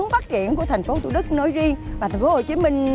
về mặt tinh thần rất lớn của người dân địa phương